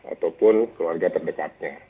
ataupun keluarga terdekatnya